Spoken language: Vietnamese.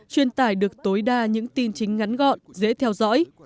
truyền tải được tối đa những tin chính ngắn gọn dễ theo dõi